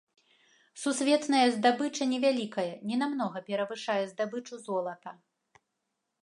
Сусветная здабыча невялікая, ненамнога перавышае здабычу золата.